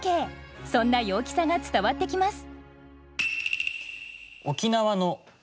そんな陽気さが伝わってきます。